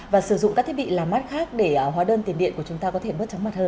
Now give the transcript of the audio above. và sử dụng các thiết bị làm mát khác để hóa đơn tiền điện của chúng ta có thể bớt chóng mặt hơn